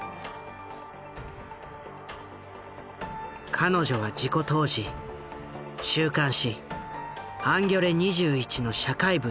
彼女は事故当時週刊誌「ハンギョレ２１」の社会部チーム長だった。